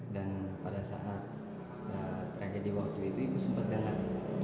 dan pada saat tragedi waktu itu ibu sempat dengar